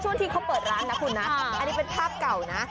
ช่วงที่เขาเปิดร้านนะคุณนะอันนี้เป็นภาพเก่านะ